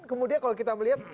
kemudian kalau kita melihat